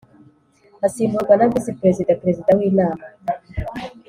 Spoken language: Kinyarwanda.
Asimburwa na visi perezida perezida w inama